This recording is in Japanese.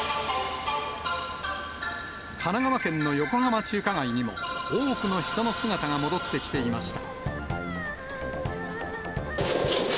神奈川県の横浜中華街にも多くの人の姿が戻ってきていました。